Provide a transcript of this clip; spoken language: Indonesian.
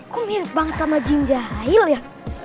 kok mirip banget sama jin jahil ya